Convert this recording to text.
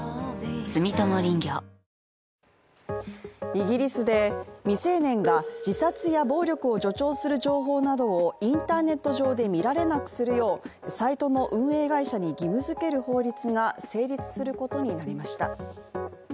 イギリスで未成年が自殺や暴力を助長する情報などをインターネット上で見られなくするようサイトの運営会社に義務づける法律が成立することになりました。